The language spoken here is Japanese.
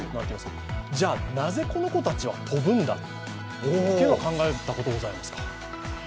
じゃあ、なぜこの子たちは飛ぶんだということを考えたことはございますか？